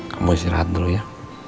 kamu istirahat dulu ya